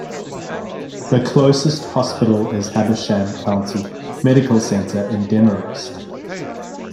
The closest hospital is Habersham County Medical Center in Demorest.